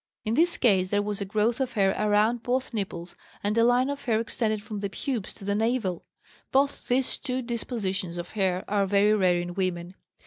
In this case there was a growth of hair around both nipples and a line of hair extended from the pubes to the navel; both these two dispositions of hair are very rare in women.